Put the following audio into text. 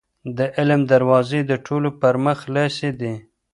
د علم دروازې د ټولو پر مخ خلاصې دي.